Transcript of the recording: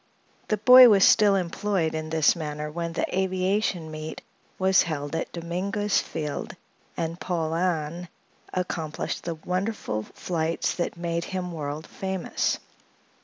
The boy was still employed in this manner when the Aviation Meet was held at Dominguez Field and Paulhan accomplished the wonderful flights that made him world famous.